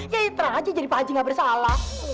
ya terang aja jadi pak haji gak bersalah